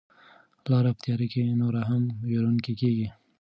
لاره په تیاره کې نوره هم وېروونکې کیږي.